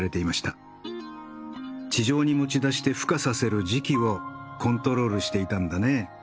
地上に持ち出してふ化させる時期をコントロールしていたんだね。